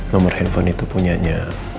nomor handphone itu punyanya